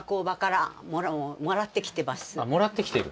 あっもらってきてる。